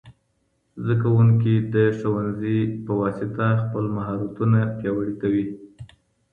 زدهکوونکي د ښوونځي په واسطه خپل مهارتونه پیاوړي کوي.